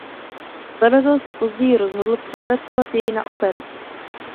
Skladatel se později rozhodl přepracovat jej na operu.